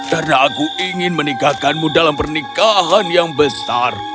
karena aku ingin menikahkanmu dalam pernikahan yang besar